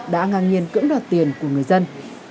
đã ngang nhiên cưỡng đoạt tiền của người dân